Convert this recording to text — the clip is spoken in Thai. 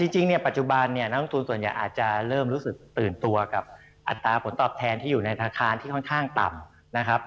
จริงเนี่ยปัจจุบันเนี่ยนักลงทุนส่วนใหญ่อาจจะเริ่มรู้สึกตื่นตัวกับอัตราผลตอบแทนที่อยู่ในธนาคารที่ค่อนข้างต่ำนะครับ